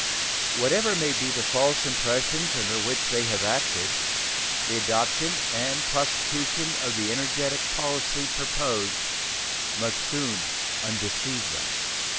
Whatever may be the false impressions under which they have acted, the adoption and prosecution of the energetic policy proposed must soon undeceive them.